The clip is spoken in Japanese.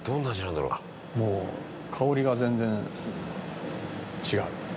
あっもう香りが全然違う。